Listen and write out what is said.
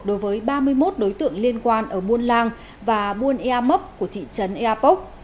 đối với ba mươi một đối tượng liên quan ở buôn làng và buôn eamop của thị trấn eapok